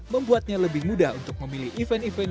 membuatnya lebih mudah untuk memilih event event